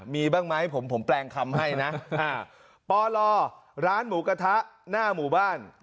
มีบ้างไหมผมแปลงคำให้นะปลร้านหมูกระทะหน้าหมู่บ้าน